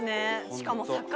しかも坂。